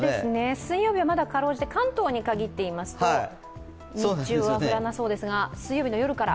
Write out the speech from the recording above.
水曜日はまだかろうじて関東に限って言いますと日中は降らなそうですが水曜日の夜から。